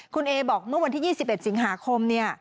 คุณเอบอกเมื่อวันที่๒๑สิงหาคมเนี่ย